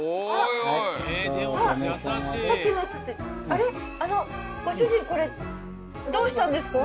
あのご主人これどうしたんですか？